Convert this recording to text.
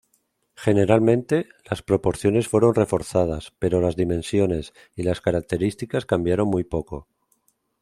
Generalmente, las proporciones fueron reforzadas, pero las dimensiones y las características cambiaron muy poco.